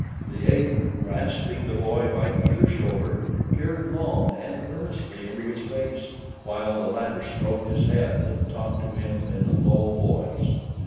The ape, grasping the boy by either shoulder, peered long and earnestly into his face, while the latter stroked his head and talked to him in a low voice.